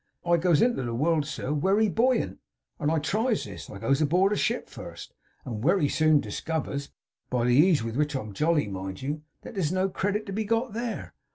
I goes into the world, sir, wery boyant, and I tries this. I goes aboard ship first, and wery soon discovers (by the ease with which I'm jolly, mind you) as there's no credit to be got THERE.